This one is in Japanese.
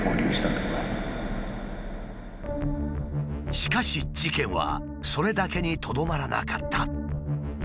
しかし事件はそれだけにとどまらなかった。